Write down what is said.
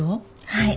はい。